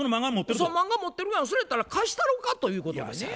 そう「漫画持ってるわそれやったら貸したろか」ということでね。